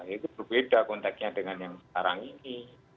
itu berbeda konteknya dengan yang sekarang ini